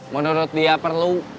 menurut dia perlu